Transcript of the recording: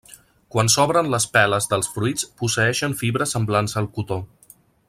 Quan s'obren les peles dels fruits posseeixen fibres semblants al cotó.